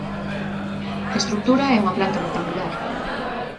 A estrutura é unha planta rectangular.